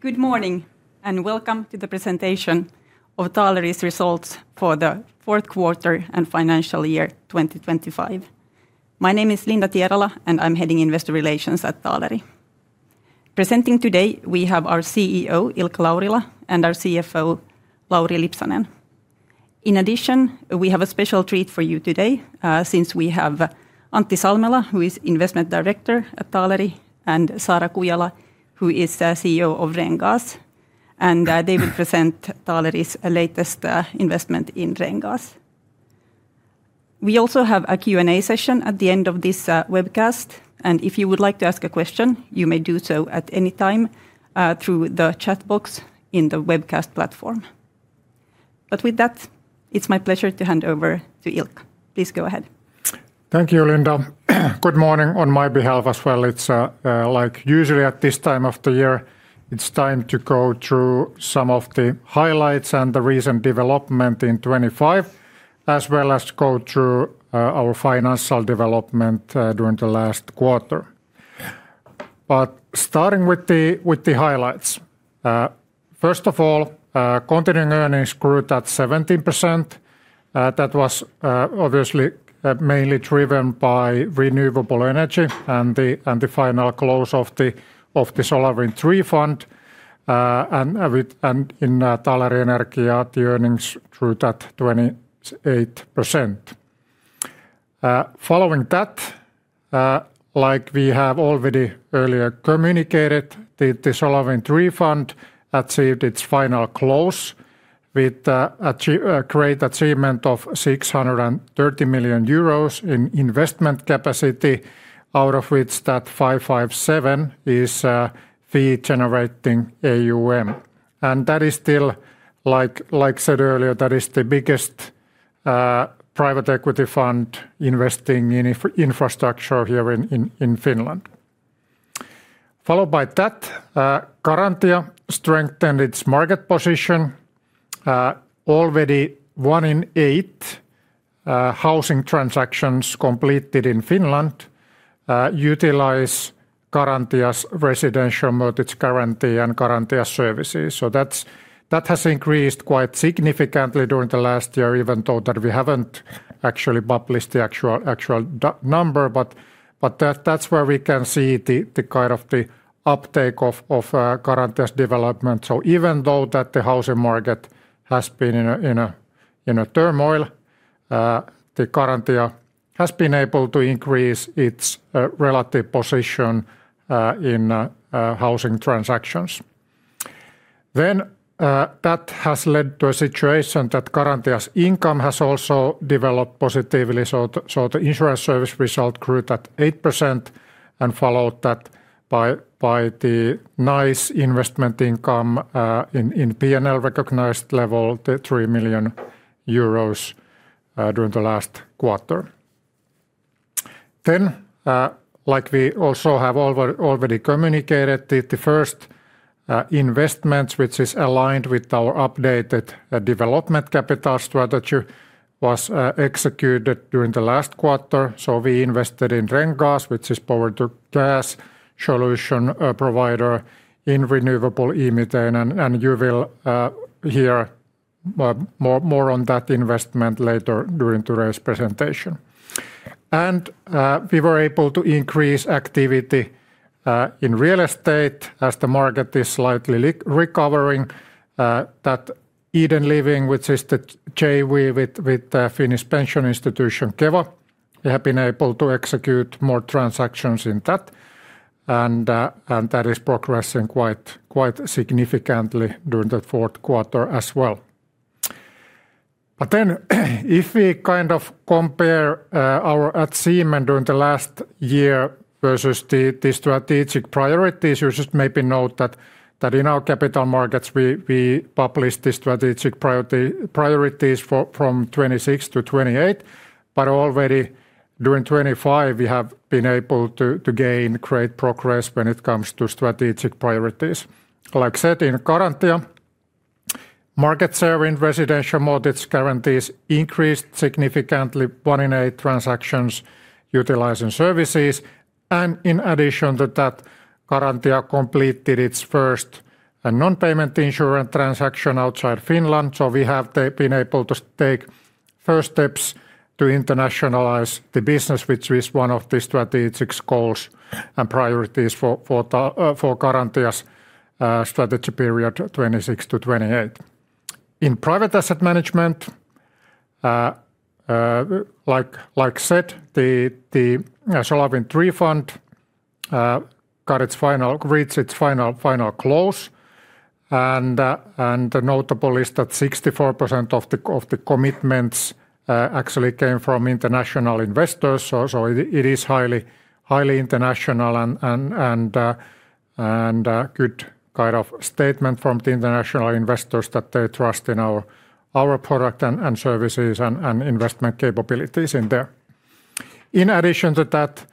Good morning and welcome to the presentation of Taaleri's results for the fourth quarter and financial year 2025. My name is Linda Tierala, and I'm heading Investor Relations at Taaleri. Presenting today, we have our CEO Ilkka Laurila and our CFO Lauri Lipsanen. In addition, we have a special treat for you today since we have Antti Salmela, who is Investment Director at Taaleri, and Saara Kujala, who is CEO of Ren-Gas. They will present Taaleri's latest investment in Ren-Gas. We also have a Q&A session at the end of this webcast, and if you would like to ask a question, you may do so at any time through the chat box in the webcast platform. With that, it's my pleasure to hand over to Ilkka. Please go ahead. Thank you, Linda. Good morning on my behalf as well. Like usually at this time of the year, it's time to go through some of the highlights and the recent development in 2025, as well as go through our financial development during the last quarter. But starting with the highlights. First of all, continuing earnings grew at 17%. That was obviously mainly driven by renewable energy and the final close of the SolarWind III fund. And in Taaleri Energia, the earnings grew at 28%. Following that, like we have already earlier communicated, the SolarWind III Fund achieved its final close with a great achievement of 630 million euros in investment capacity, out of which that 557 million is fee-generating AUM. And that is still, like said earlier, that is the biggest private equity fund investing in infrastructure here in Finland. Followed by that, Garantia strengthened its market position. Already one in eight housing transactions completed in Finland utilize Garantia's residential mortgage guarantee and Garantia services. So that has increased quite significantly during the last year, even though we haven't actually published the actual number. But that's where we can see the kind of uptake of Garantia's development. So even though the housing market has been in turmoil, Garantia has been able to increase its relative position in housing transactions. Then that has led to a situation that Garantia's income has also developed positively. So the insurance service result grew at 8% and followed that by the nice investment income in P&L recognized level, the 3 million euros during the last quarter. Then, like we also have already communicated, the first investment, which is aligned with our updated development capital strategy, was executed during the last quarter. So we invested in Ren-Gas, which is a power-to-gas solution provider in renewable e-methane. You will hear more on that investment later during today's presentation. We were able to increase activity in real estate as the market is slightly recovering. That Eden Living, which is the JV with the Finnish pension institution Keva, we have been able to execute more transactions in that. That is progressing quite significantly during the fourth quarter as well. But then, if we kind of compare our achievement during the last year versus the strategic priorities, you just maybe note that in our capital markets, we published these strategic priorities from 2026 to 2028. But already during 2025, we have been able to gain great progress when it comes to strategic priorities. Like said in Garantia, market share in residential mortgage guarantees increased significantly, one in eight transactions utilizing services. In addition to that, Garantia completed its first non-payment insurance transaction outside Finland. So we have been able to take first steps to internationalize the business, which is one of the strategic goals and priorities for Garantia's strategy period 2026 to 2028. In private asset management, like said, the SolarWind III Fund reached its final close. Notable is that 64% of the commitments actually came from international investors. So it is highly international and a good kind of statement from the international investors that they trust in our product and services and investment capabilities in there. In addition to that,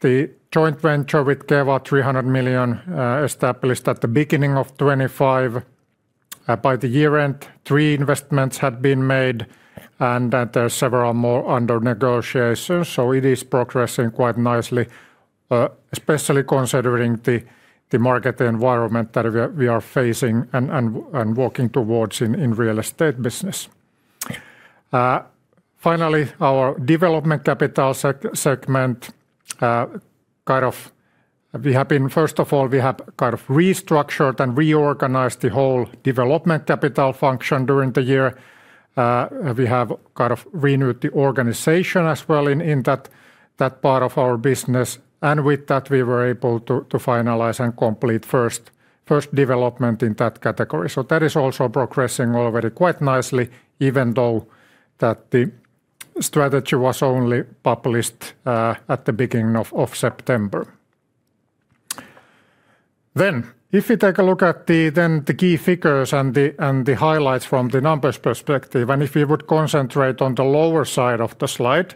the joint venture with Keva, 300 million, established at the beginning of 2025. By the year end, three investments had been made. There are several more under negotiations. So it is progressing quite nicely, especially considering the market environment that we are facing and working towards in real estate business. Finally, our development capital segment, kind of first of all, we have kind of restructured and reorganized the whole development capital function during the year. We have kind of renewed the organization as well in that part of our business. And with that, we were able to finalize and complete first development in that category. So that is also progressing already quite nicely, even though the strategy was only published at the beginning of September. Then, if we take a look at the key figures and the highlights from the numbers perspective, and if we would concentrate on the lower side of the slide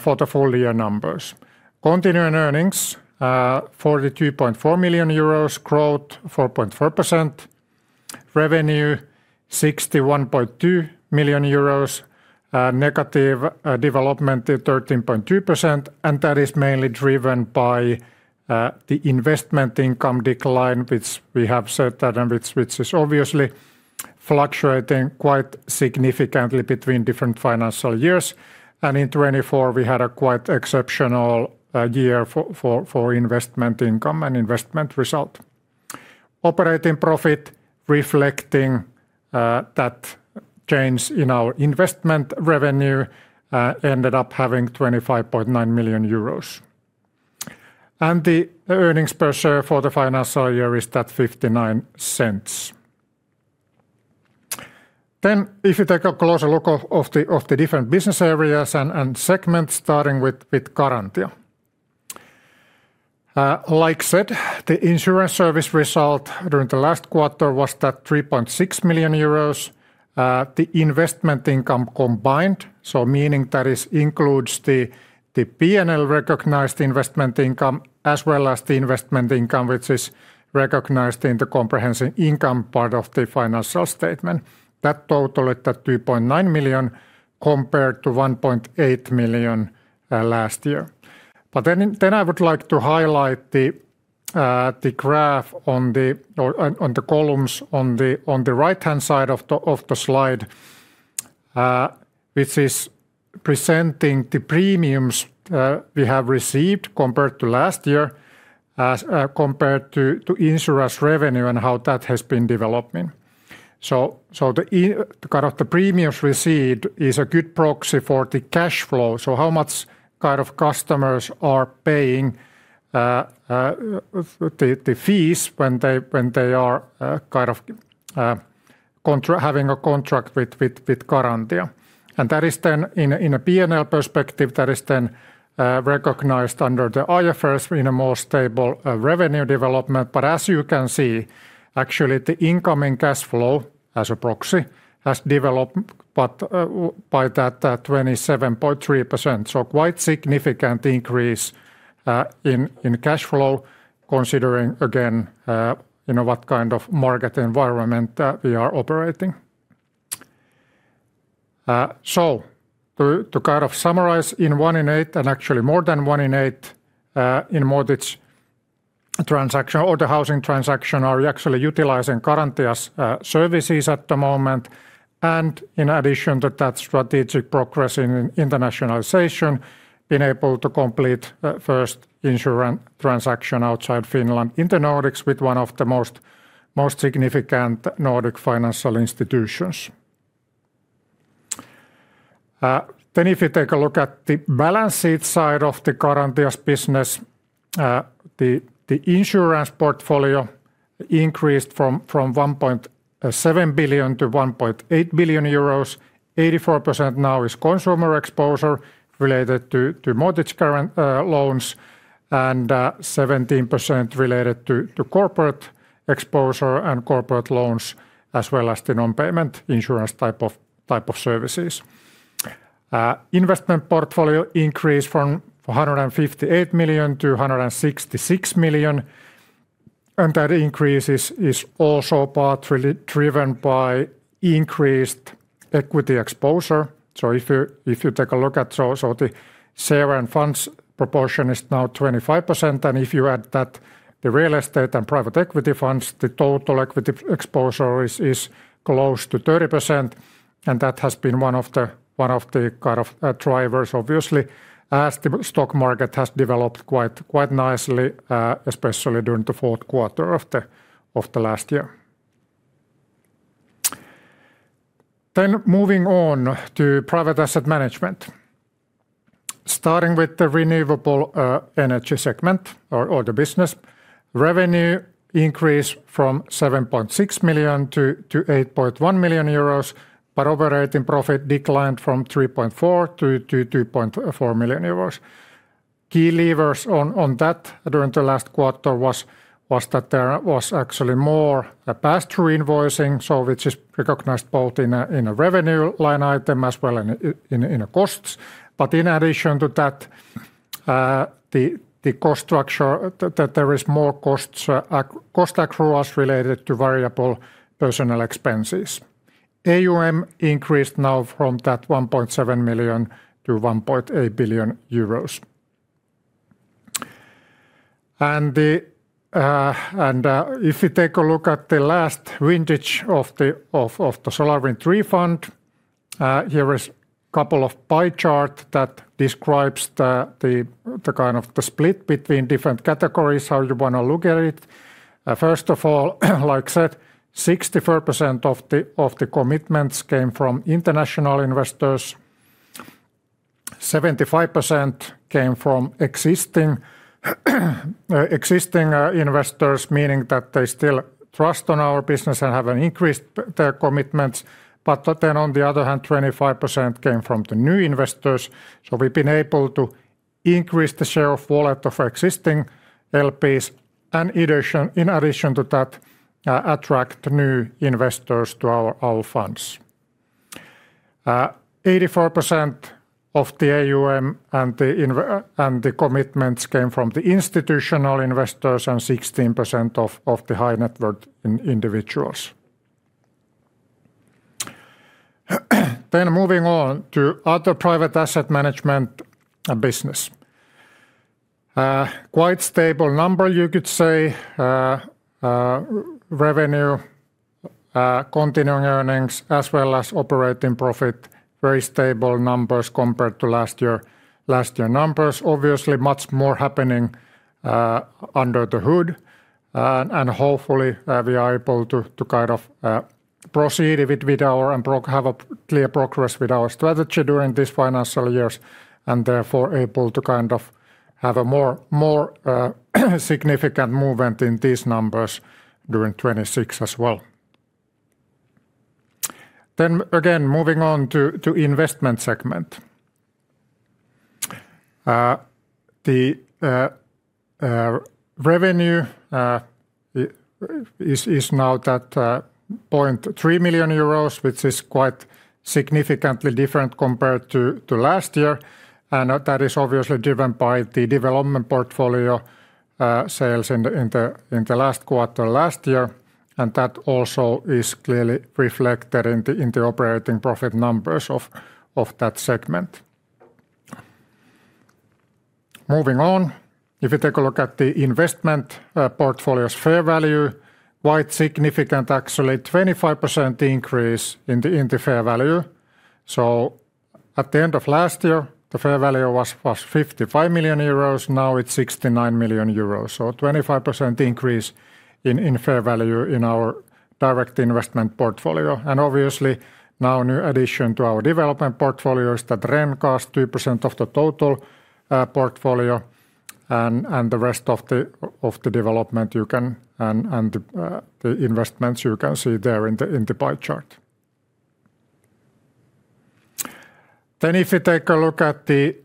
for the full year numbers. Continuing earnings, 42.4 million euros, growth 4.4%. Revenue, 61.2 million euros. Negative development, 13.2%. That is mainly driven by the investment income decline, which we have said that, and which is obviously fluctuating quite significantly between different financial years. In 2024, we had a quite exceptional year for investment income and investment result. Operating profit, reflecting that change in our investment revenue, ended up having 25.9 million euros. The earnings per share for the financial year is 0.59. Then, if we take a closer look at the different business areas and segments, starting with Garantia. Like said, the insurance service result during the last quarter was 3.6 million euros. The investment income combined, so meaning that includes the P&L recognized investment income as well as the investment income, which is recognized in the comprehensive income part of the financial statement, that total at 2.9 million compared to 1.8 million last year. But then I would like to highlight the graph on the columns on the right-hand side of the slide, which is presenting the premiums we have received compared to last year, compared to insurance revenue and how that has been developing. So the premiums received is a good proxy for the cash flow, so how much kind of customers are paying the fees when they are kind of having a contract with Garantia. And that is then, in a P&L perspective, that is then recognized under the IFRS in a more stable revenue development. But as you can see, actually, the incoming cash flow as a proxy has developed by that 27.3%. So quite significant increase in cash flow, considering, again, what kind of market environment we are operating. So to kind of summarize, one in eight, and actually more than one in eight in mortgage transactions or the housing transactions, are actually utilizing Garantia's services at the moment. In addition to that strategic progress in internationalization, been able to complete first insurance transaction outside Finland, in the Nordics, with one of the most significant Nordic financial institutions. If we take a look at the balance sheet side of the Garantia's business, the insurance portfolio increased from 1.7 billion to 1.8 billion euros. 84% now is consumer exposure related to mortgage loans and 17% related to corporate exposure and corporate loans, as well as the non-payment insurance type of services. Investment portfolio increased from 158 million to 166 million. That increase is also partly driven by increased equity exposure. If you take a look at it, the share and funds proportion is now 25%. If you add that to real estate and private equity funds, the total equity exposure is close to 30%. That has been one of the kind of drivers, obviously, as the stock market has developed quite nicely, especially during the fourth quarter of the last year. Moving on to private asset management, starting with the renewable energy segment or the business, revenue increased from 7.6 million to 8.1 million euros. Operating profit declined from 3.4 million to 2.4 million euros. Key levers on that during the last quarter were that there was actually more past reinvoicing, so which is recognized both in a revenue line item as well as in costs. In addition to that, the cost structure, there are more cost accruals related to variable personal expenses. AUM increased now from that 1.7 million to 1.8 billion euros. And if we take a look at the last vintage of the SolarWind III fund, here is a couple of pie charts that describe the kind of split between different categories, how you want to look at it. First of all, like said, 64% of the commitments came from international investors. 75% came from existing investors, meaning that they still trust in our business and have increased their commitments. But then, on the other hand, 25% came from the new investors. So we've been able to increase the share of wallet of existing LPs. And in addition to that, attract new investors to our funds. 84% of the AUM and the commitments came from the institutional investors and 16% of the high net worth individuals. Then, moving on to other private asset management and business. Quite stable number, you could say. Revenue, continuing earnings, as well as operating profit, very stable numbers compared to last year's numbers. Obviously, much more happening under the hood. Hopefully, we are able to kind of proceed with our and have a clear progress with our strategy during these financial years. Therefore, able to kind of have a more significant movement in these numbers during 2026 as well. Again, moving on to the investment segment. The revenue is now 0.3 million euros, which is quite significantly different compared to last year. That is obviously driven by the development portfolio sales in the last quarter last year. That also is clearly reflected in the operating profit numbers of that segment. Moving on, if we take a look at the investment portfolio's fair value, quite significant, actually, 25% increase in the fair value. So at the end of last year, the fair value was 55 million euros. Now it's 69 million euros. So 25% increase in fair value in our direct investment portfolio. And obviously, now, new addition to our development portfolio is that Ren-Gas 2% of the total portfolio. And the rest of the development you can and the investments, you can see there in the pie chart. Then, if we take a look at the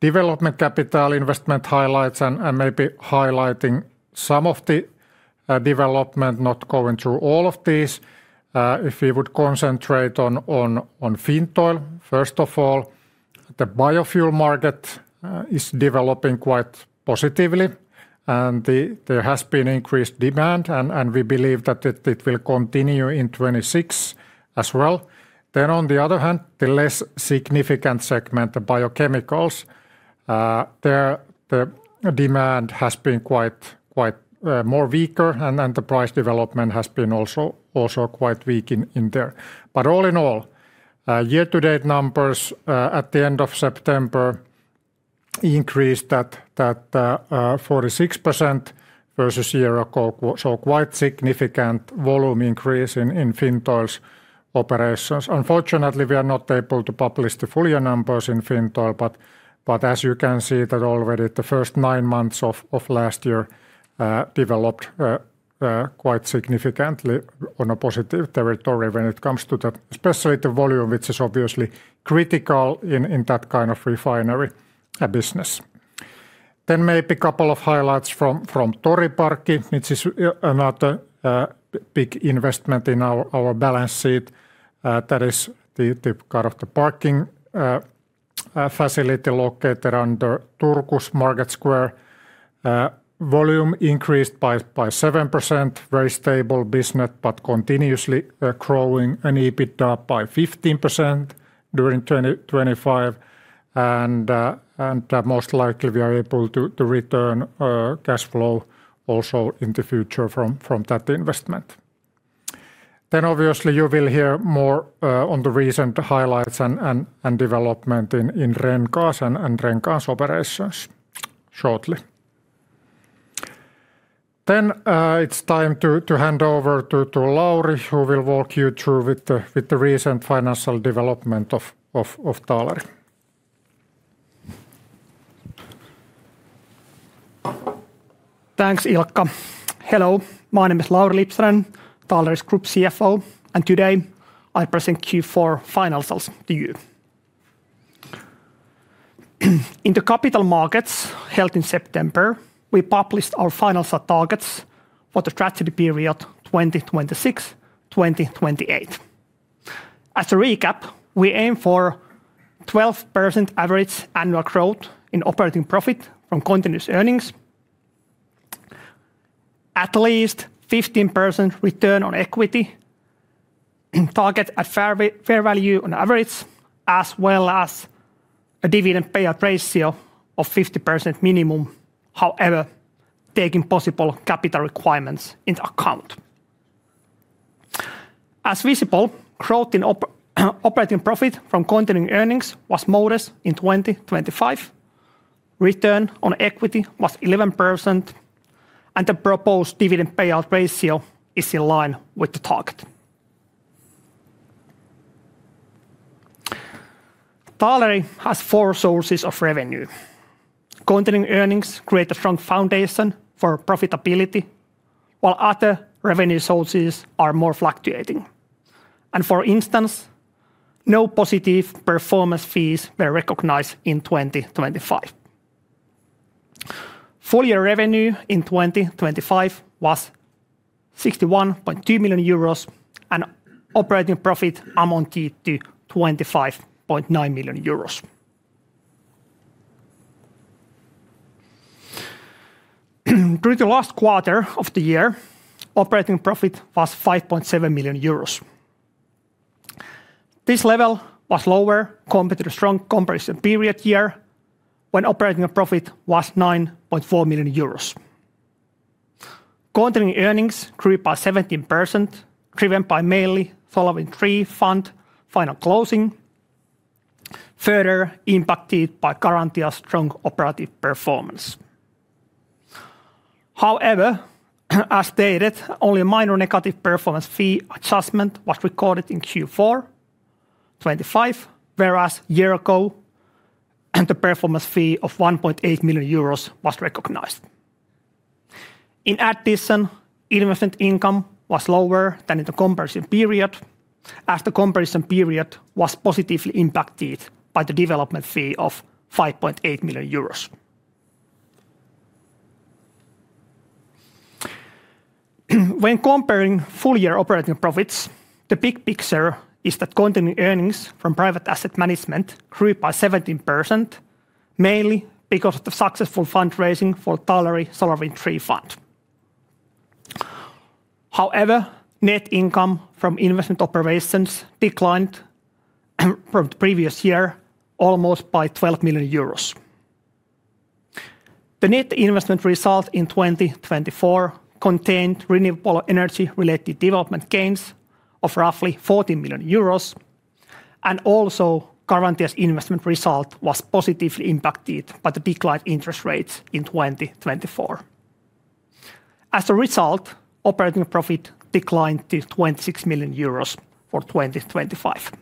development capital investment highlights and maybe highlighting some of the development, not going through all of these, if we would concentrate on Fintoil, first of all, the biofuel market is developing quite positively. And there has been increased demand. And we believe that it will continue in 2026 as well. Then, on the other hand, the less significant segment, the biochemicals, their demand has been quite more weaker. The price development has been also quite weak in there. All in all, year-to-date numbers at the end of September increased that 46% versus a year ago. Quite significant volume increase in Fintoil's operations. Unfortunately, we are not able to publish the full year numbers in Fintoil. But as you can see that already, the first nine months of last year developed quite significantly on a positive territory when it comes to that, especially the volume, which is obviously critical in that kind of refinery business. Maybe a couple of highlights from Toriparkki, which is another big investment in our balance sheet. That is the kind of the parking facility located under Turku's Market Square. Volume increased by 7%, very stable business, but continuously growing, an EBITDA by 15% during 2025. Most likely, we are able to return cash flow also in the future from that investment. Obviously, you will hear more on the recent highlights and development in Ren-Gas and Ren-Gas operations shortly. It's time to hand over to Lauri, who will walk you through with the recent financial development of Taaleri. Thanks, Ilkka. Hello. My name is Lauri Lipsanen, Taaleri's Group CFO. Today, I present Q4 financials to you. In the capital markets held in September, we published our financial targets for the strategy period 2026-2028. As a recap, we aim for 12% average annual growth in operating profit from continuous earnings, at least 15% return on equity, target at fair value on average, as well as a dividend payout ratio of 50% minimum, however, taking possible capital requirements into account. As visible, growth in operating profit from continuing earnings was modest in 2025. Return on equity was 11%. The proposed dividend payout ratio is in line with the target. Taaleri has four sources of revenue. Continuing earnings create a strong foundation for profitability, while other revenue sources are more fluctuating. For instance, no positive performance fees were recognized in 2025. Full year revenue in 2025 was 61.2 million euros. Operating profit amounted to 25.9 million euros. During the last quarter of the year, operating profit was 5.7 million euros. This level was lower compared to the strong comparison period year, when operating profit was 9.4 million euros. Continuing earnings grew by 17%, driven by mainly following three fund final closings, further impacted by Garantia's strong operative performance. However, as stated, only a minor negative performance fee adjustment was recorded in Q4 2025, whereas a year ago, the performance fee of 1.8 million euros was recognized. In addition, investment income was lower than in the comparison period, as the comparison period was positively impacted by the development fee of 5.8 million euros. When comparing full year operating profits, the big picture is that continuing earnings from private asset management grew by 17%, mainly because of the successful fundraising for Taaleri SolarWind III Fund. However, net income from investment operations declined from the previous year almost by 12 million euros. The net investment result in 2024 contained renewable energy-related development gains of roughly 14 million euros. Also, Garantia's investment result was positively impacted by the declined interest rates in 2024. As a result, operating profit declined to 26 million euros for 2025.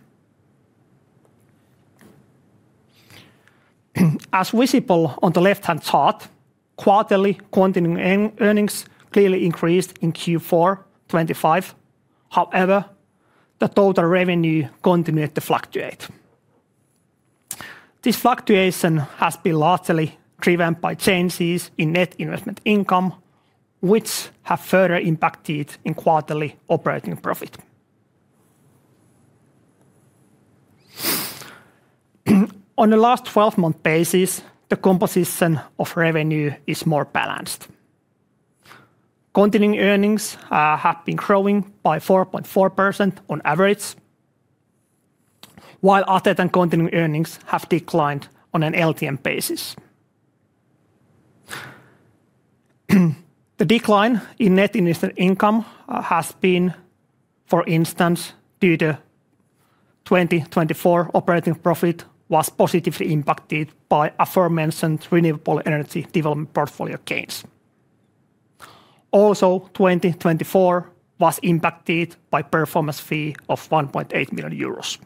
As visible on the left-hand chart, quarterly continuing earnings clearly increased in Q4 2025. However, the total revenue continued to fluctuate. This fluctuation has been largely driven by changes in net investment income, which have further impacted quarterly operating profit. On a last 12-month basis, the composition of revenue is more balanced. Continuing earnings have been growing by 4.4% on average, while other than continuing earnings have declined on an LTM basis. The decline in net investment income has been, for instance, due to 2024 operating profit was positively impacted by aforementioned renewable energy development portfolio gains. Also, 2024 was impacted by a performance fee of 1.8 million euros.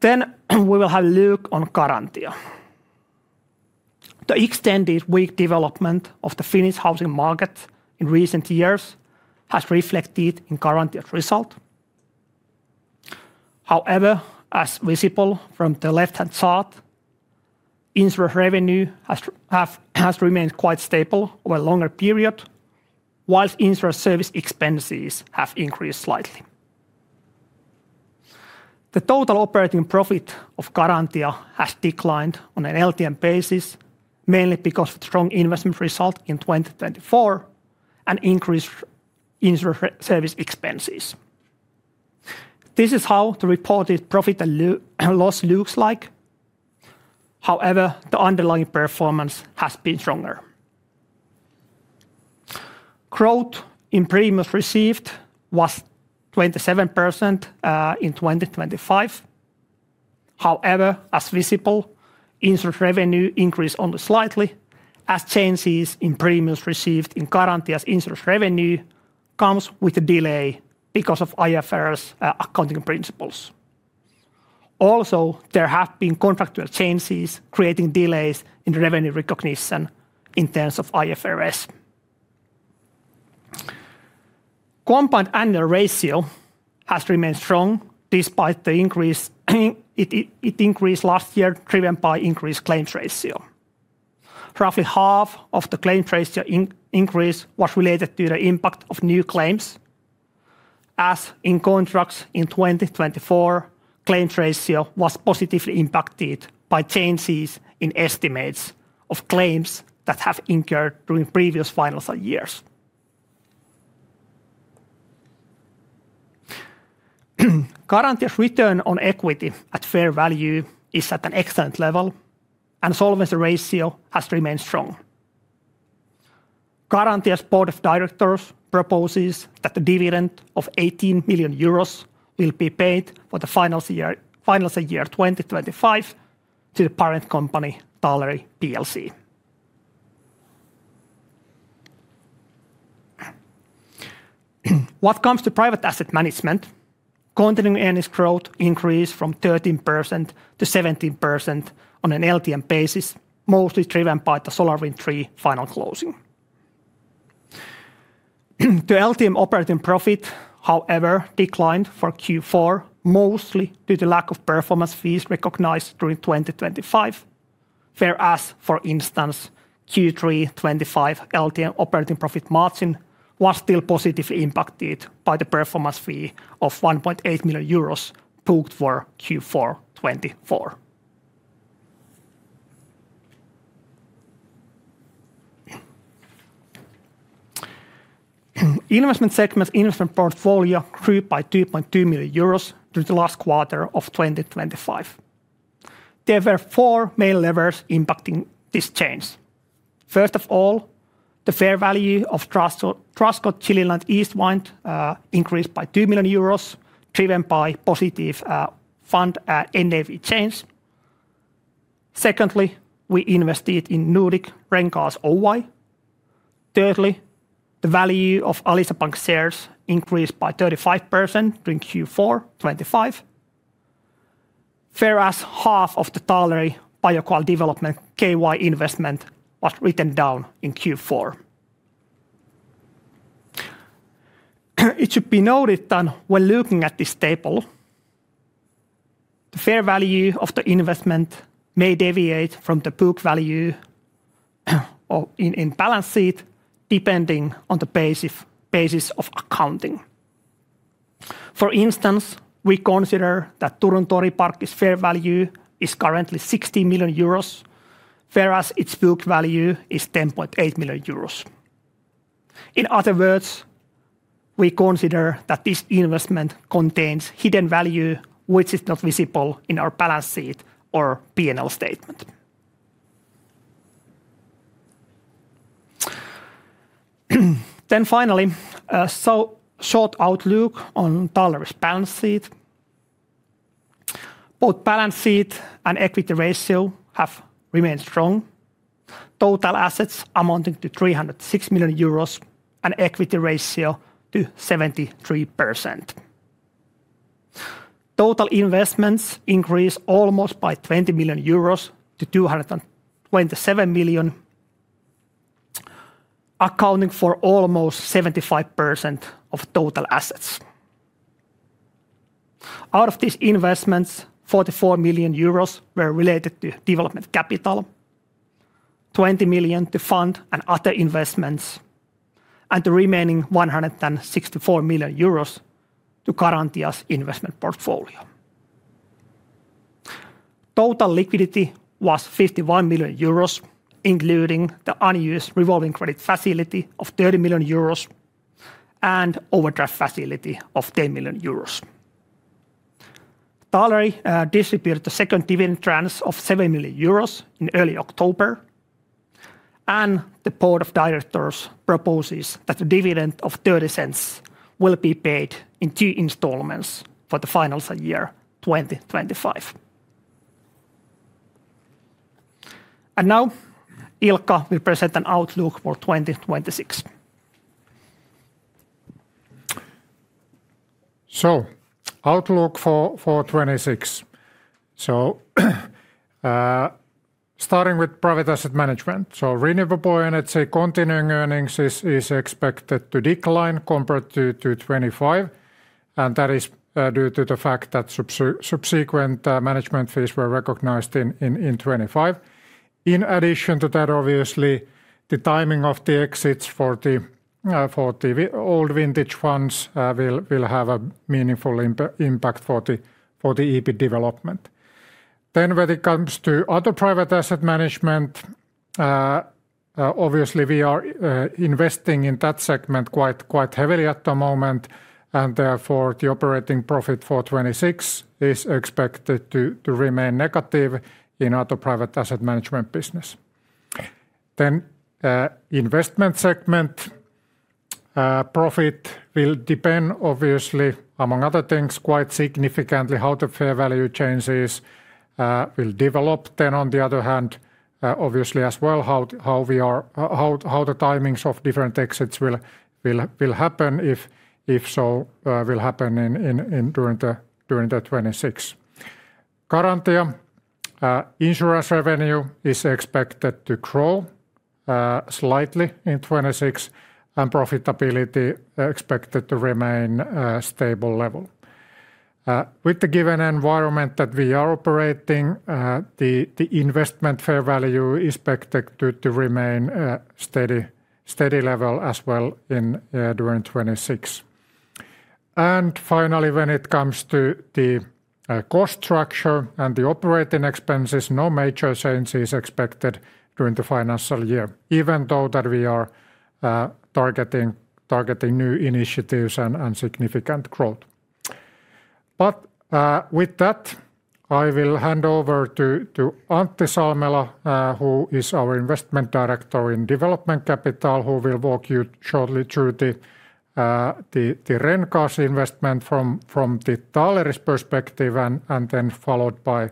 Then, we will have a look on Garantia. The extended weak development of the Finnish housing market in recent years has reflected in Garantia's result. However, as visible from the left-hand chart, insurance revenue has remained quite stable over a longer period, while insurance service expenses have increased slightly. The total operating profit of Garantia has declined on an LTM basis, mainly because of the strong investment result in 2024 and increased insurance service expenses. This is how the reported profit and loss looks like. However, the underlying performance has been stronger. Growth in premiums received was 27% in 2025. However, as visible, insurance revenue increased only slightly, as changes in premiums received in Garantia's insurance revenue come with a delay because of IFRS accounting principles. Also, there have been contractual changes creating delays in revenue recognition in terms of IFRS. The combined ratio has remained strong despite the increase. It increased last year, driven by an increased claims ratio. Roughly half of the claims ratio increase was related to the impact of new claims. As in contracts in 2024, the claims ratio was positively impacted by changes in estimates of claims that have incurred during previous financial years. Garantia's return on equity at fair value is at an excellent level. Solvency ratio has remained strong. Garantia's board of directors proposes that the dividend of 18 million euros will be paid for the financial year 2025 to the parent company, Taaleri Plc. When it comes to private asset management, continuing earnings growth increased from 13%-17% on an LTM basis, mostly driven by the SolarWind III final closing. The LTM operating profit, however, declined for Q4 mostly due to the lack of performance fees recognized during 2025. Whereas, for instance, Q3 2025 LTM operating profit margin was still positively impacted by the performance fee of 1.8 million euros booked for Q4 2024. Investment segments' investment portfolio grew by 2.2 million euros during the last quarter of 2025. There were four main levers impacting this change. First of all, the fair value of Truscott-Gilliland East Wind increased by 2 million euros, driven by positive fund NAV change. Secondly, we invested in Nordic Ren-Gas Oy. Thirdly, the value of Alisa Bank shares increased by 35% during Q4 2025. Whereas, half of the Taaleri Bioindustry Development Ky investment was written down in Q4. It should be noted that when looking at this table, the fair value of the investment may deviate from the book value in the balance sheet, depending on the basis of accounting. For instance, we consider that Turun Toriparkki's fair value is currently 60 million euros. Whereas, its book value is 10.8 million euros. In other words, we consider that this investment contains hidden value, which is not visible in our balance sheet or P&L statement. Then finally, a short outlook on Taaleri's balance sheet. Both balance sheet and equity ratio have remained strong. Total assets amounting to 306 million euros and equity ratio to 73%. Total investments increased almost by 20 million euros to 227 million, accounting for almost 75% of total assets. Out of these investments, 44 million euros were related to development capital, 20 million to fund and other investments, and the remaining 164 million euros to Garantia's investment portfolio. Total liquidity was 51 million euros, including the unused revolving credit facility of 30 million euros and overdraft facility of 10 million euros. Taaleri distributed the second dividend tranche of 7 million euros in early October. The board of directors proposes that the dividend of 0.30 will be paid in two installments for the financial year 2025. Now, Ilkka will present an outlook for 2026. So, outlook for 2026. Starting with private asset management. Renewable energy continuing earnings is expected to decline compared to 2025. And that is due to the fact that subsequent management fees were recognized in 2025. In addition to that, obviously, the timing of the exits for the old vintage funds will have a meaningful impact for the EBITDA development. Then, when it comes to other private asset management, obviously, we are investing in that segment quite heavily at the moment. And therefore, the operating profit for 2026 is expected to remain negative in other private asset management business. Then, the investment segment profit will depend, obviously, among other things, quite significantly on how the fair value changes will develop. On the other hand, obviously, as well, how the timings of different exits will happen, if so, will happen during 2026. Garantia insurance revenue is expected to grow slightly in 2026. Profitability is expected to remain at a stable level. With the given environment that we are operating, the investment fair value is expected to remain at a steady level as well during 2026. Finally, when it comes to the cost structure and the operating expenses, no major changes are expected during the financial year, even though we are targeting new initiatives and significant growth. But with that, I will hand over to Antti Salmela, who is our investment director in development capital, who will walk you shortly through the Ren-Gas investment from the Taaleri's perspective. And then followed by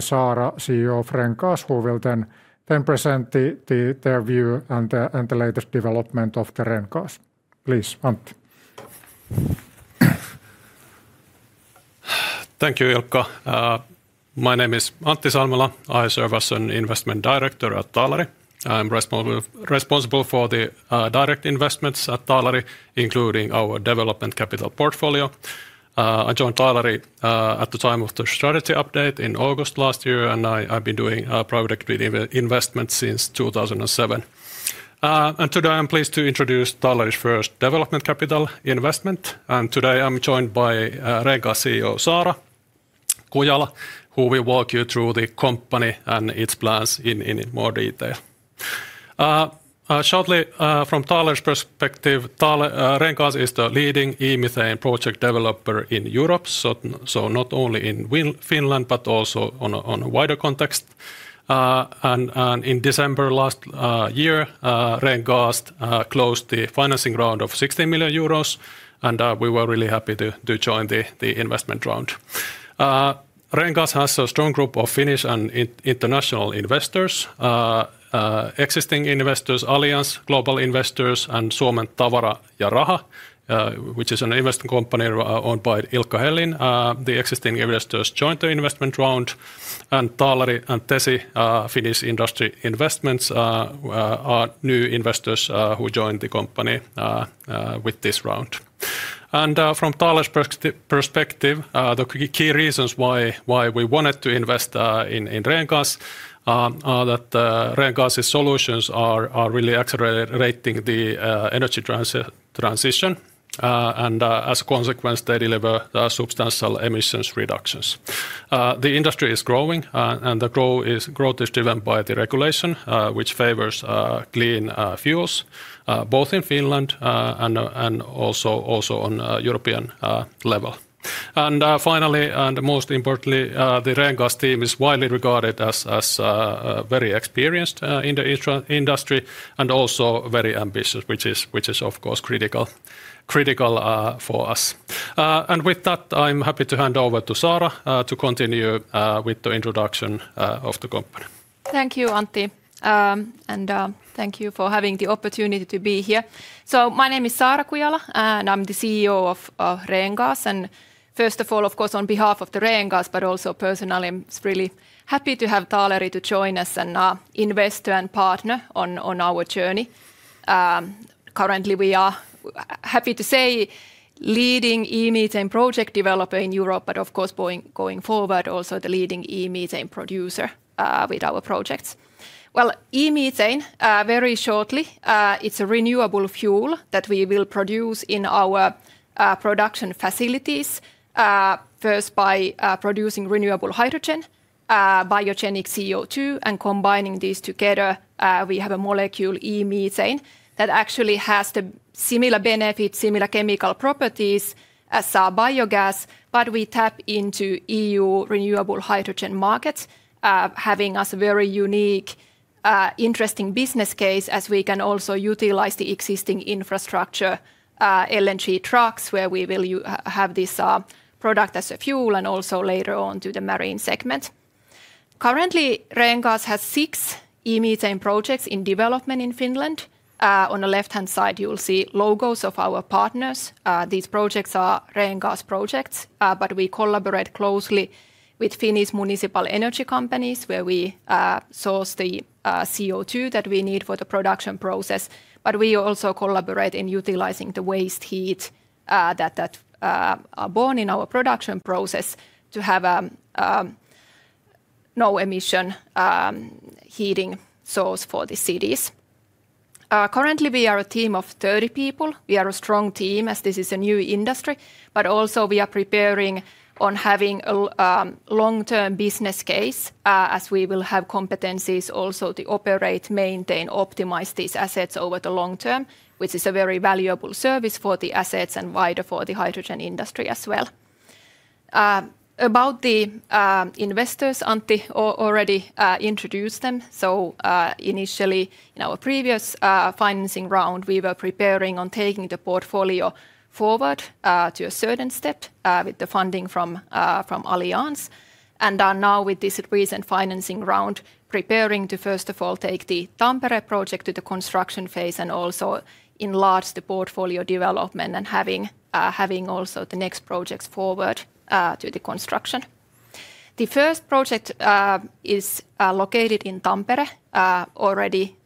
Saara, CEO of Ren-Gas, who will then present their view and the latest development of the Ren-Gas. Please, Antti. Thank you, Ilkka. My name is Antti Salmela. I serve as an investment director at Taaleri. I am responsible for the direct investments at Taaleri, including our development capital portfolio. I joined Taaleri at the time of the strategy update in August last year. I have been doing private equity investments since 2007. Today, I am pleased to introduce Taaleri's first development capital investment. Today, I am joined by Ren-Gas CEO, Saara Kujala, who will walk you through the company and its plans in more detail. Shortly, from Taaleri's perspective, Ren-Gas is the leading e-methane project developer in Europe. So not only in Finland, but also in a wider context. In December last year, Ren-Gas closed the financing round of 16 million euros. We were really happy to join the investment round. Ren-Gas has a strong group of Finnish and international investors, existing investors Allianz, global investors, and Wipunen Varainhallinta Oy, which is an investment company owned by Ilkka Herlin. The existing investors joined the investment round. And Taaleri and Tesi, Finnish industry investments, are new investors who joined the company with this round. And from Taaleri's perspective, the key reasons why we wanted to invest in Ren-Gas are that Ren-Gas's solutions are really accelerating the energy transition. And as a consequence, they deliver substantial emissions reductions. The industry is growing. And the growth is driven by the regulation, which favors clean fuels, both in Finland and also on a European level. And finally, and most importantly, the Ren-Gas team is widely regarded as very experienced in the industry and also very ambitious, which is, of course, critical for us. And with that, I am happy to hand over to Saara to continue with the introduction of the company. Thank you, Antti. And thank you for having the opportunity to be here. So my name is Saara Kujala. And I am the CEO of Ren-Gas. And first of all, of course, on behalf of the Ren-Gas, but also personally, I am really happy to have Taaleri to join us and invest and partner on our journey. Currently, we are happy to say leading e-methane project developer in Europe. But of course, going forward, also the leading e-methane producer with our projects. Well, e-methane, very shortly, it is a renewable fuel that we will produce in our production facilities. First, by producing renewable hydrogen, biogenic CO2, and combining these together, we have a molecule, e-methane, that actually has similar benefits, similar chemical properties as biogas. But we tap into EU renewable hydrogen markets, having a very unique, interesting business case. As we can also utilize the existing infrastructure, LNG trucks, where we will have this product as a fuel and also later on to the marine segment. Currently, Ren-Gas has six e-methane projects in development in Finland. On the left-hand side, you will see logos of our partners. These projects are Ren-Gas projects. But we collaborate closely with Finnish municipal energy companies, where we source the CO2 that we need for the production process. But we also collaborate in utilizing the waste heat that is born in our production process to have a no-emission heating source for the cities. Currently, we are a team of 30 people. We are a strong team, as this is a new industry. But also, we are preparing on having a long-term business case. As we will have competencies also to operate, maintain, optimize these assets over the long term, which is a very valuable service for the assets and wider for the hydrogen industry as well. About the investors, Antti already introduced them. So initially, in our previous financing round, we were preparing on taking the portfolio forward to a certain step with the funding from Allianz. And now, with this recent financing round, we are preparing to, first of all, take the Tampere project to the construction phase. And also enlarge the portfolio development and having also the next projects forward to the construction. The first project is located in Tampere, already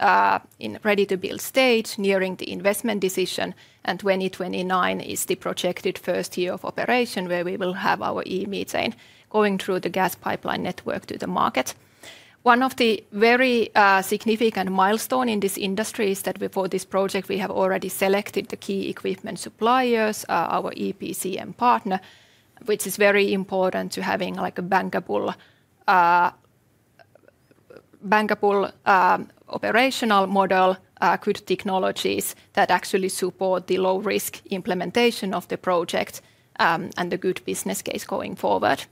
in ready-to-build stage, nearing the investment decision. And 2029 is the projected first year of operation, where we will have our e-methane going through the gas pipeline network to the market. One of the very significant milestones in this industry is that for this project, we have already selected the key equipment suppliers, our EPCM partner, which is very important to having a bankable operational model, good technologies that actually support the low-risk implementation of the project and the good business case going forward.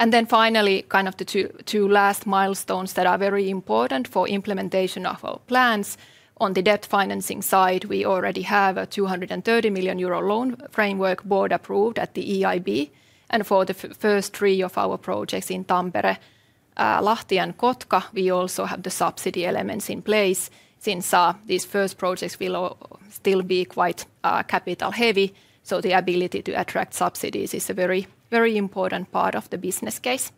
And then finally, kind of the two last milestones that are very important for implementation of our plans. On the debt financing side, we already have a 230 million euro loan framework board approved at the EIB. And for the first three of our projects in Tampere, Lahti and Kotka, we also have the subsidy elements in place. Since these first projects will still be quite capital-heavy. So the ability to attract subsidies is a very important part of the business case.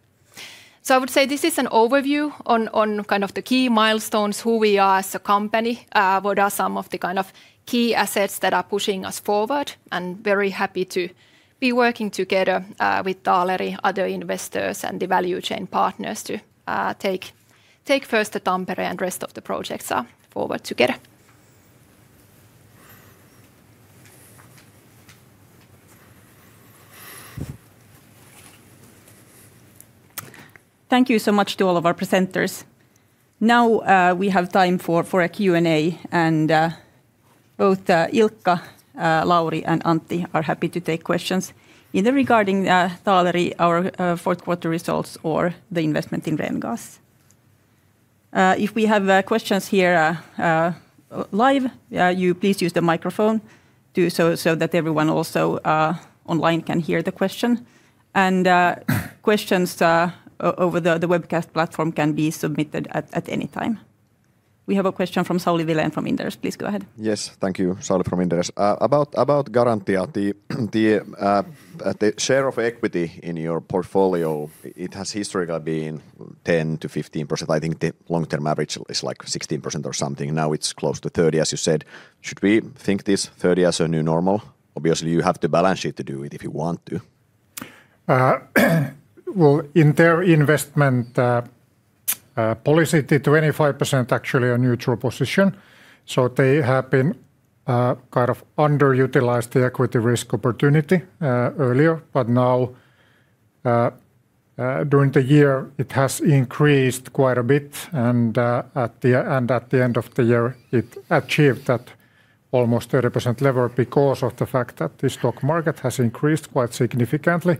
So I would say this is an overview on kind of the key milestones, who we are as a company, what are some of the kind of key assets that are pushing us forward. And very happy to be working together with Taaleri, other investors, and the value chain partners to take first the Tampere and the rest of the projects forward together. Thank you so much to all of our presenters. Now we have time for a Q&A. And both Ilkka, Lauri, and Antti are happy to take questions. Either regarding Taaleri, our fourth quarter results, or the investment in Ren-Gas. If we have questions here, live, please use the microphone so that everyone also online can hear the question. And questions over the webcast platform can be submitted at any time. We have a question from Sauli Vilén from Inderes. Please go ahead. Yes, thank you, Sauli from Inderes. About Garantia, the share of equity in your portfolio, it has historically been 10%-15%. I think the long-term average is like 16% or something. Now it is close to 30, as you said. Should we think of this 30 as a new normal? Obviously, you have to balance it to do it if you want to. Well, in their investment policy, 25% is actually a neutral position. So they have been kind of underutilizing the equity risk opportunity earlier. But now, during the year, it has increased quite a bit. And at the end of the year, it achieved that almost 30% leverage because of the fact that the stock market has increased quite significantly.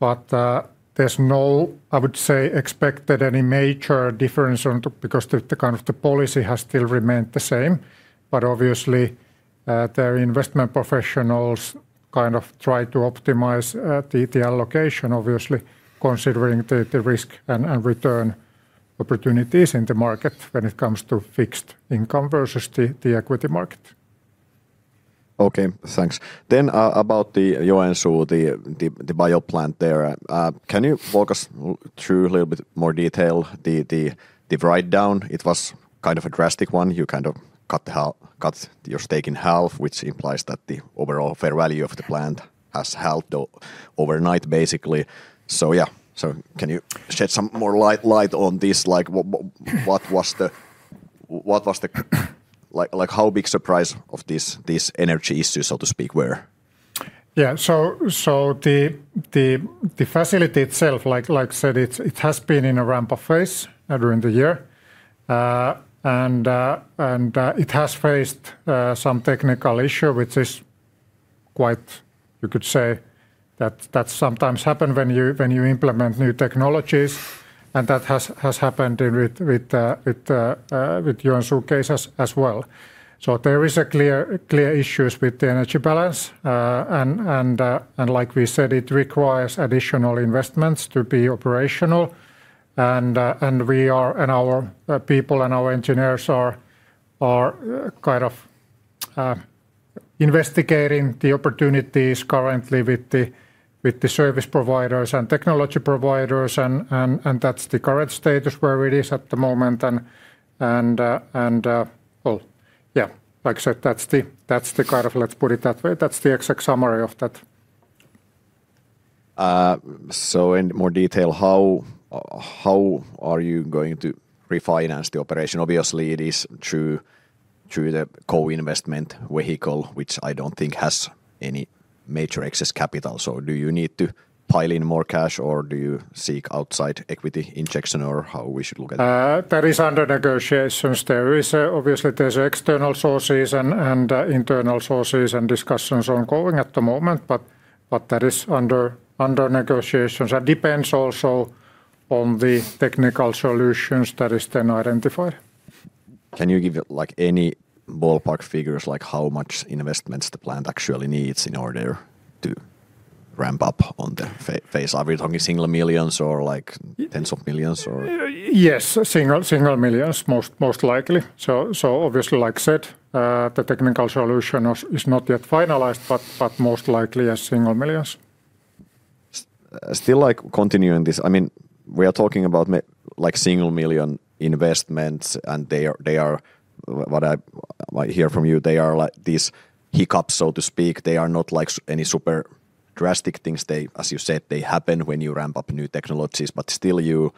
But there is no, I would say, expected any major difference because the kind of policy has still remained the same. But obviously, their investment professionals kind of try to optimize the allocation, obviously, considering the risk and return opportunities in the market when it comes to fixed income versus the equity market. Okay, thanks. Then about Joensuu, the bioplant there. Can you walk us through a little bit more detail? The write-down, it was kind of a drastic one. You kind of cut your stake in half, which implies that the overall fair value of the plant has halved overnight, basically. So yeah, so can you shed some more light on this? Like, what was the—what was the—like, how big a surprise of this energy issue, so to speak, were? Yeah, so the facility itself, like I said, it has been in a ramp-up phase during the year. And it has faced some technical issues, which is quite—you could say that that sometimes happens when you implement new technologies. And that has happened with Joensuu case as well. So there are clear issues with the energy balance. And like we said, it requires additional investments to be operational. And our people and our engineers are kind of investigating the opportunities currently with the service providers and technology providers. And that is the current status where it is at the moment. And well, yeah, like I said, that is the kind of, let's put it that way, that is the exact summary of that. So in more detail, how are you going to refinance the operation? Obviously, it is through the co-investment vehicle, which I don't think has any major excess capital. So do you need to pile in more cash? Or do you seek outside equity injection? Or how should we look at that? That is under negotiations. Obviously, there are external sources and internal sources and discussions ongoing at the moment. That is under negotiations. It depends also on the technical solutions that are then identified. Can you give any ballpark figures, like how much investment the plant actually needs in order to ramp up on the phase? Are we talking single millions or tens of millions? Yes, single millions, most likely. Obviously, like I said, the technical solution is not yet finalized. Most likely, yes, single millions. Still continuing this, I mean, we are talking about single million investments. And they are, what I hear from you, they are like these hiccups, so to speak. They are not like any super drastic things. As you said, they happen when you ramp up new technologies. But still, you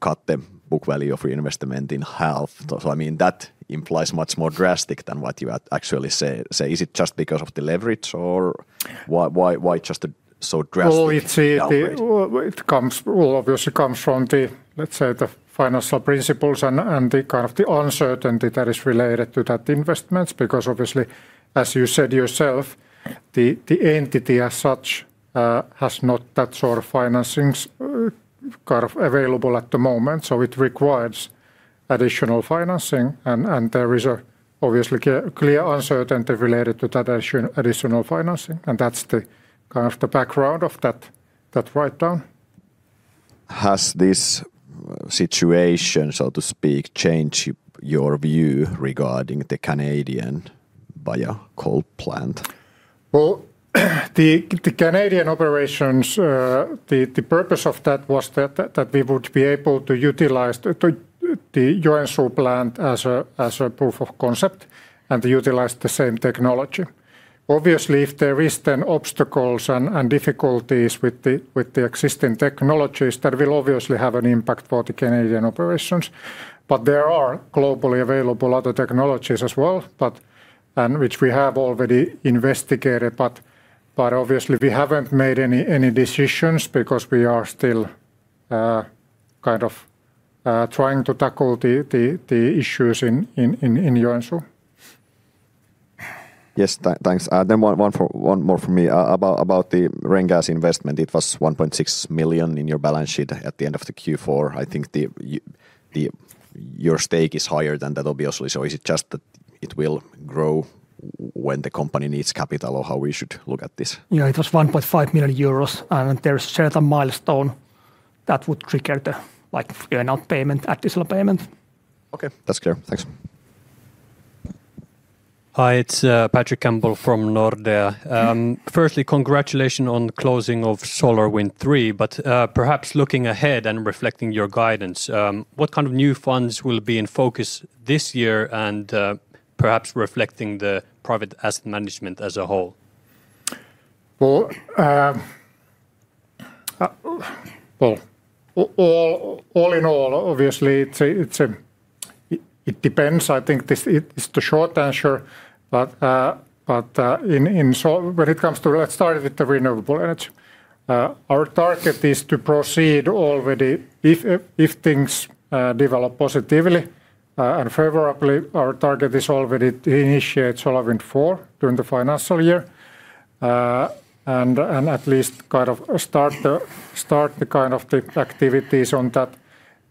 cut the book value of reinvestment in half. So I mean, that implies much more drastic than what you actually say. Is it just because of the leverage? Or why just so drastic? Well, it comes, well, obviously, it comes from the, let's say, the financial principles and the kind of uncertainty that is related to that investment. Because obviously, as you said yourself, the entity as such has not that sort of financing kind of available at the moment. So it requires additional financing. And there is obviously clear uncertainty related to that additional financing. And that is the kind of background of that write-down. Has this situation, so to speak, changed your view regarding the Canadian biocoal plant? Well, the Canadian operations, the purpose of that was that we would be able to utilize the Joensuu plant as a proof of concept and utilize the same technology. Obviously, if there are then obstacles and difficulties with the existing technologies, that will obviously have an impact for the Canadian operations. But there are globally available other technologies as well, which we have already investigated. But obviously, we haven't made any decisions because we are still kind of trying to tackle the issues in Joensuu. Yes, thanks. Then one more from me. About the Ren-Gas investment, it was 1.6 million in your balance sheet at the end of Q4. I think your stake is higher than that, obviously. So is it just that it will grow when the company needs capital? Or how should we look at this? Yeah, it was 1.5 million euros. And there is a certain milestone that would trigger the payment, additional payment. Okay, that is clear. Thanks. Hi, it is Patrick Campbell from Nordea. Firstly, congratulations on the closing of SolarWind III. But perhaps looking ahead and reflecting your guidance, what kind of new funds will be in focus this year? Perhaps reflecting the private asset management as a whole? Well, all in all, obviously, it depends. I think it is the short answer. But when it comes to, let's start with the renewable energy. Our target is to proceed already if things develop positively and favorably. Our target is already to initiate SolarWind IV during the financial year. And at least kind of start the kind of activities on that.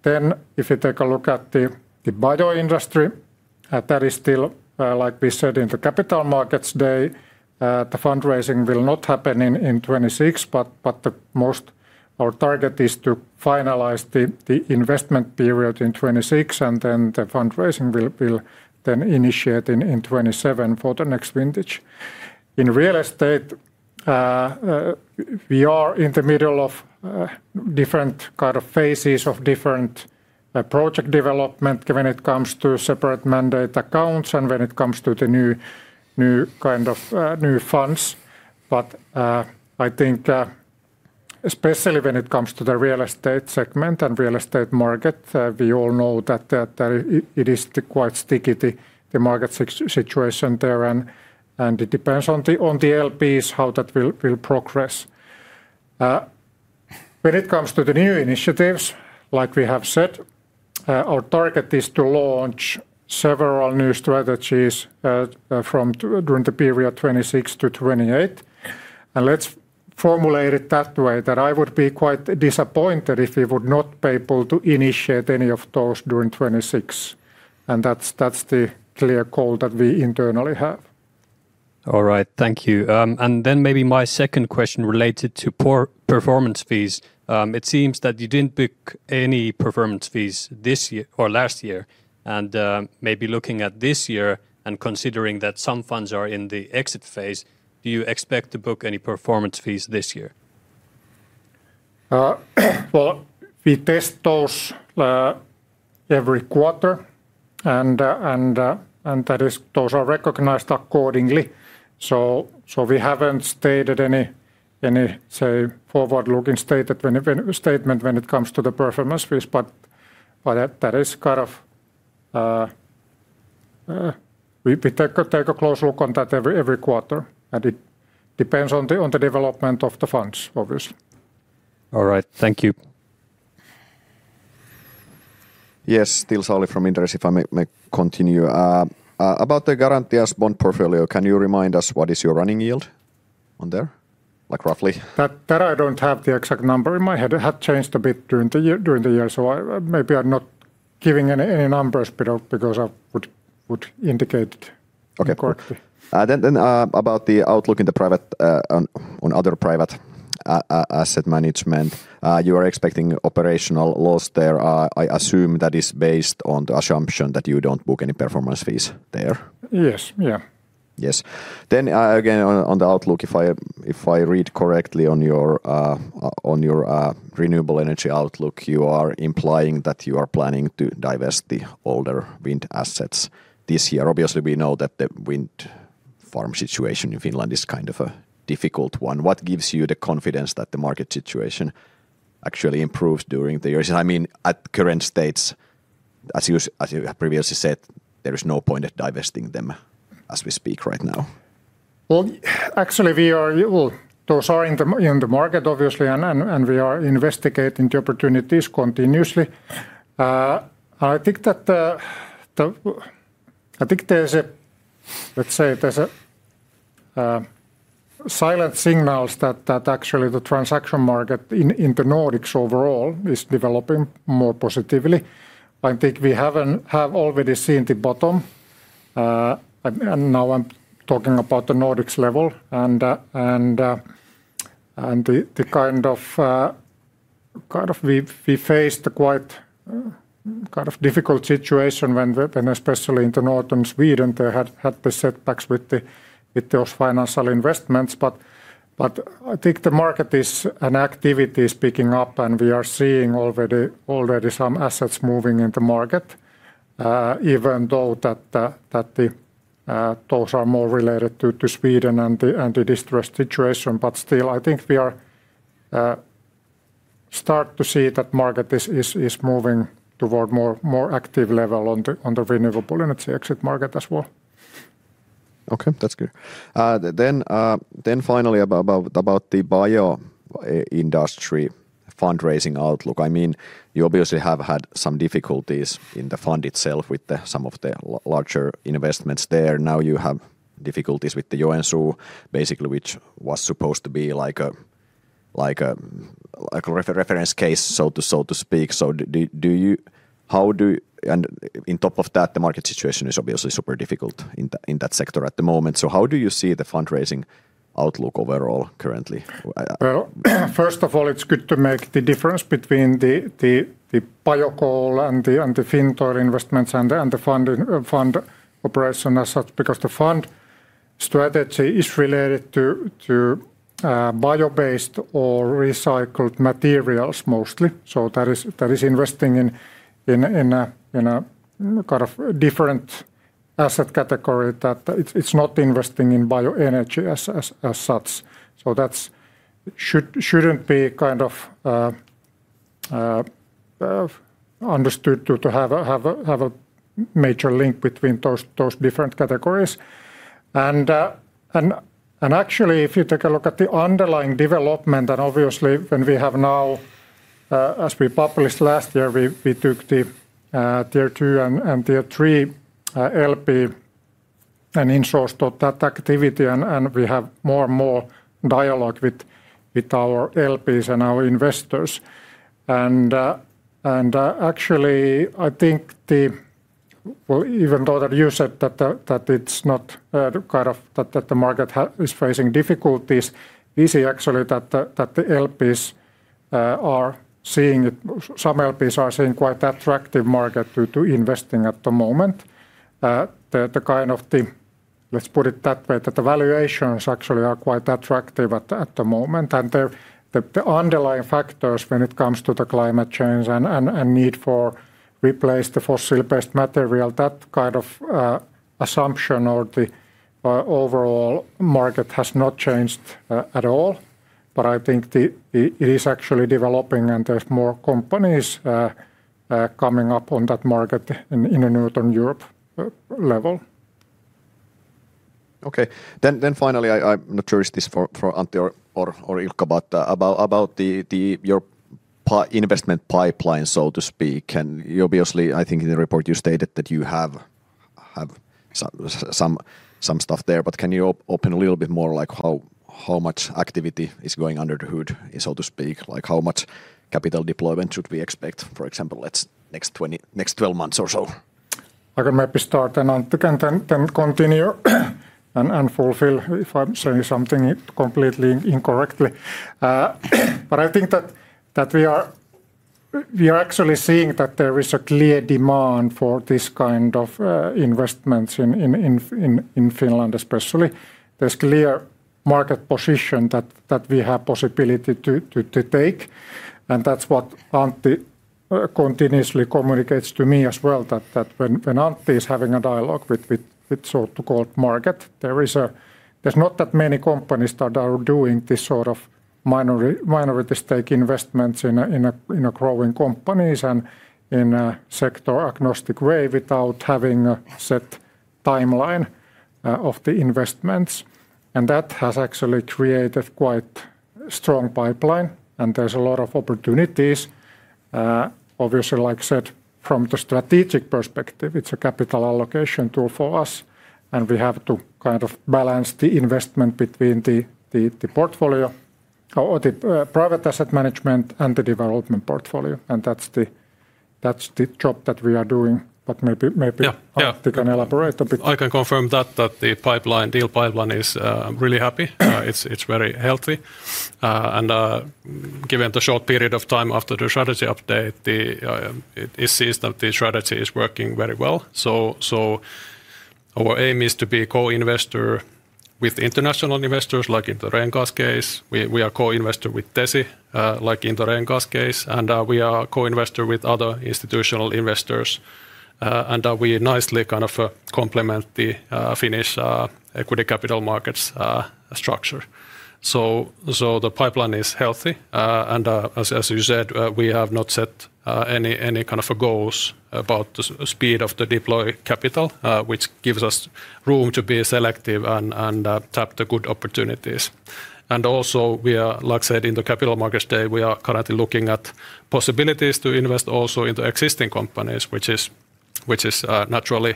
Then, if you take a look at the bioindustry, that is still, like we said, in the Capital Markets Day. The fundraising will not happen in 2026. But our target is to finalize the investment period in 2026. And then the fundraising will then initiate in 2027 for the next vintage. In real estate, we are in the middle of different kind of phases of different project development when it comes to separate mandate accounts and when it comes to the new kind of new funds. But I think, especially when it comes to the real estate segment and real estate market, we all know that it is quite sticky, the market situation there. And it depends on the LPs how that will progress. When it comes to the new initiatives, like we have said, our target is to launch several new strategies during the period 2026 to 2028. And let's formulate it that way, that I would be quite disappointed if we would not be able to initiate any of those during 2026. And that is the clear goal that we internally have. All right, thank you. And then maybe my second question related to performance fees. It seems that you didn't book any performance fees this year or last year. And maybe looking at this year and considering that some funds are in the exit phase, do you expect to book any performance fees this year? Well, we test those every quarter. Those are recognized accordingly. So we haven't stated any, say, forward-looking statement when it comes to the performance fees. But that is kind of, we take a close look on that every quarter. It depends on the development of the funds, obviously. All right, thank you. Yes, still Sauli from Inderes, if I may continue. About the Garantia's bond portfolio, can you remind us what is your running yield on there? Like roughly. That I don't have the exact number in my head. It has changed a bit during the year. So maybe I'm not giving any numbers because I would indicate it accurately. Okay, then about the outlook in the private on other private asset management, you are expecting operational loss there. I assume that is based on the assumption that you don't book any performance fees there? Yes, yeah. Yes. Then again, on the outlook, if I read correctly on your renewable energy outlook, you are implying that you are planning to divest the older wind assets this year. Obviously, we know that the wind farm situation in Finland is kind of a difficult one. What gives you the confidence that the market situation actually improves during the years? I mean, at current states, as you previously said, there is no point in divesting them as we speak right now. Well, actually, those are in the market, obviously. And we are investigating the opportunities continuously. I think that there is a, let's say, there are silent signals that actually the transaction market in the Nordics overall is developing more positively. I think we have already seen the bottom. And now I'm talking about the Nordics level. And the kind of, we faced a quite kind of difficult situation, especially in the Northern Sweden. There had been setbacks with those financial investments. But I think the market is actively picking up. And we are seeing already some assets moving in the market, even though those are more related to Sweden and the distressed situation. But still, I think we start to see that the market is moving toward a more active level on the renewable energy exit market as well. Okay, that is good. Then finally, about the bioindustry fundraising outlook. I mean, you obviously have had some difficulties in the fund itself with some of the larger investments there. Now you have difficulties with Joensuu, basically, which was supposed to be like a reference case, so to speak. So do you-how do you-and on top of that, the market situation is obviously super difficult in that sector at the moment. So how do you see the fundraising outlook overall currently? Well, first of all, it is good to make the difference between the biocoal and the Fintoil investments and the fund operation as such. Because the fund strategy is related to bio-based or recycled materials mostly. So that is investing in a kind of different asset category. It is not investing in bioenergy as such. So that shouldn't be kind of understood to have a major link between those different categories. And actually, if you take a look at the underlying development, and obviously, when we have now, as we published last year, we took the Tier 2 and Tier 3 LP and insourced that activity. And we have more and more dialogue with our LPs and our investors. And actually, I think the, well, even though you said that it is not kind of that the market is facing difficulties, we see actually that the LPs are seeing, some LPs are seeing quite an attractive market to invest in at the moment. The kind of, let's put it that way, that the valuations actually are quite attractive at the moment. And the underlying factors when it comes to the climate change and need to replace the fossil-based material, that kind of assumption or the overall market has not changed at all. But I think it is actually developing. There are more companies coming up on that market in the Northern Europe level. Okay. Finally, I'm not sure if this is for Antti or Ilkka, but about your investment pipeline, so to speak. Obviously, I think in the report you stated that you have some stuff there. But can you open a little bit more like how much activity is going under the hood, so to speak? Like how much capital deployment should we expect, for example, the next 12 months or so? I can maybe start and Antti can then continue and fulfill if I'm saying something completely incorrectly. But I think that we are actually seeing that there is a clear demand for this kind of investments in Finland especially. There is a clear market position that we have the possibility to take. And that is what Antti continuously communicates to me as well. That when Antti is having a dialogue with the so-called market, there are not that many companies that are doing this sort of minority stake investments in growing companies and in a sector-agnostic way without having a set timeline of the investments. And that has actually created quite a strong pipeline. And there are a lot of opportunities. Obviously, like I said, from the strategic perspective, it is a capital allocation tool for us. And we have to kind of balance the investment between the portfolio or the private asset management and the development portfolio. And that is the job that we are doing. But maybe Antti can elaborate a bit. I can confirm that the deal pipeline is really happy. It is very healthy. And given the short period of time after the strategy update, it is seen that the strategy is working very well. So our aim is to be co-investor with international investors, like in the Ren-Gas case. We are co-investor with Tesi, like in the Ren-Gas case. And we are co-investor with other institutional investors. And we nicely kind of complement the Finnish equity capital markets structure. So the pipeline is healthy. And as you said, we have not set any kind of goals about the speed of the deployed capital, which gives us room to be selective and tap the good opportunities. And also, like I said in the capital markets day, we are currently looking at possibilities to invest also in the existing companies, which naturally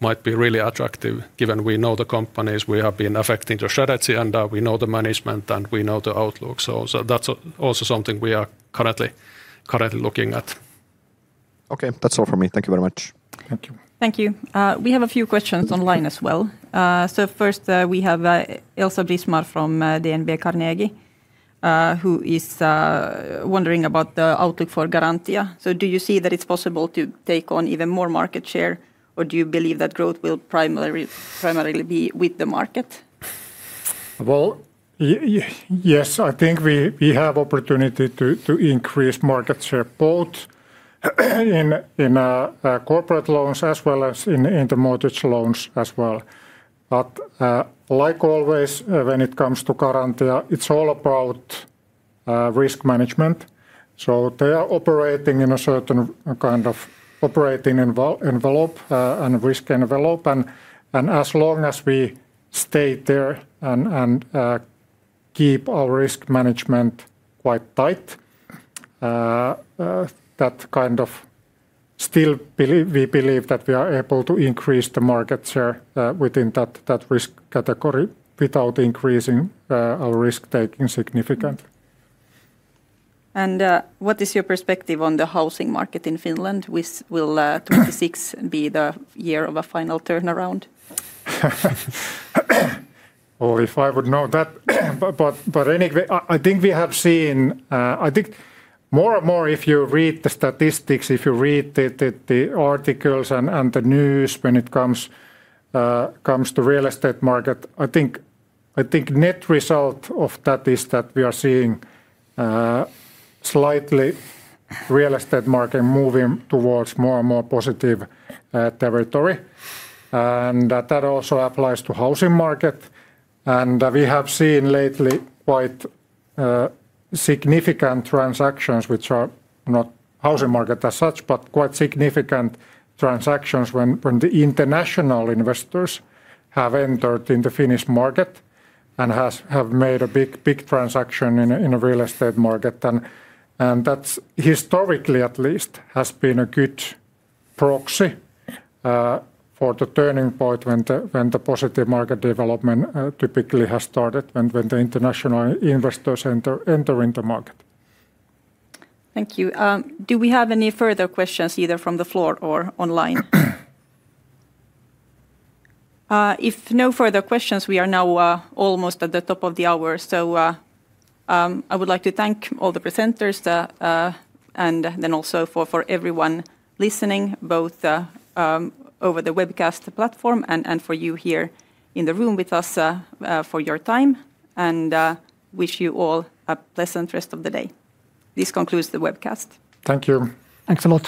might be really attractive, given we know the companies, we have been affecting the strategy, and we know the management, and we know the outlook. So that is also something we are currently looking at. Okay, that is all from me. Thank you very much. Thank you. Thank you. We have a few questions online as well. So first, we have Elsa Immonen from DNB Markets, who is wondering about the outlook for Garantia. So do you see that it is possible to take on even more market share? Or do you believe that growth will primarily be with the market? Well, yes, I think we have the opportunity to increase market share both in corporate loans as well as in the mortgage loans as well. But like always, when it comes to Garantia, it is all about risk management. So they are operating in a certain kind of risk envelope. And as long as we stay there and keep our risk management quite tight, that kind of still we believe that we are able to increase the market share within that risk category without increasing our risk-taking significantly. And what is your perspective on the housing market in Finland? Will 2026 be the year of a final turnaround? Oh, if I would know that. But anyway, I think we have seen, I think more and more, if you read the statistics, if you read the articles and the news when it comes to the real estate market, I think the net result of that is that we are seeing the slightly real estate market moving towards more and more positive territory. And that also applies to the housing market. And we have seen lately quite significant transactions, which are not housing market as such, but quite significant transactions when the international investors have entered in the Finnish market and have made a big transaction in the real estate market. That, historically at least, has been a good proxy for the turning point when the positive market development typically has started, when the international investors enter in the market. Thank you. Do we have any further questions, either from the floor or online? If no further questions, we are now almost at the top of the hour. I would like to thank all the presenters and then also for everyone listening, both over the webcast platform and for you here in the room with us for your time. I wish you all a pleasant rest of the day. This concludes the webcast. Thank you. Thanks a lot.